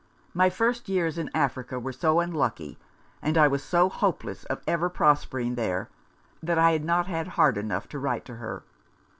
My first years in Africa were so unlucky, and I was so hopeless of ever prospering there, that I had not had heart enough to write to her.